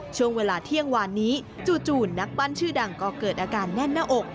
ช่วงเวลาเที่ยงวานนี้จู่นักปั้นชื่อดังก็เกิดอาการแน่นหน้าอก